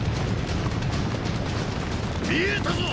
見えたぞ！